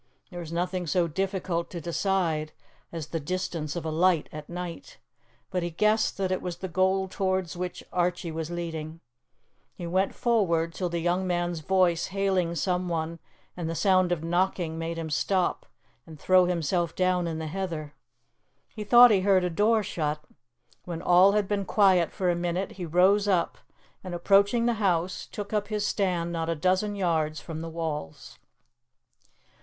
There is nothing so difficult to decide as the distance of a light at night, but he guessed that it was the goal towards which Archie was leading. He went forward, till the young man's voice hailing someone and the sound of knocking made him stop and throw himself down in the heather. He thought he heard a door shut. When all had been quiet for a minute he rose up, and, approaching the house, took up his stand not a dozen yards from the walls.